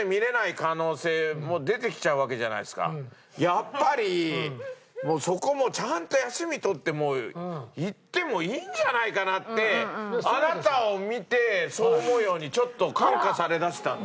やっぱりそこもちゃんと休み取って行ってもいいんじゃないかなってあなたを見てそう思うようにちょっと感化されだしたんです。